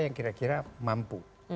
yang kira kira mampu